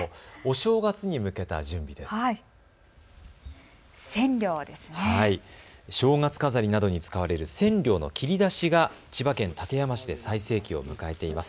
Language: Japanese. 正月飾りなどに使われるセンリョウの切り出しが千葉県館山市で最盛期を迎えています。